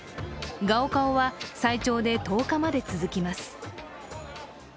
高考は最長で１０日まで続きます。